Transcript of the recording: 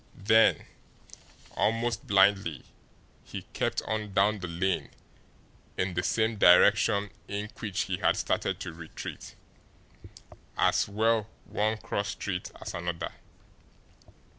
Then, almost blindly, he kept on down the lane in the same direction in which he had started to retreat as well one cross street as another.